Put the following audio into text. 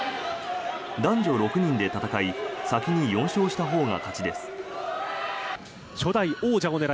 男女６人で戦い先に４勝したほうが勝ちです。